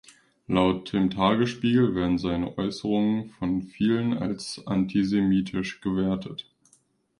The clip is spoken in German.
Laut dem "Tagesspiegel" werden seine Äußerungen von „vielen“ als antisemitisch gewertet.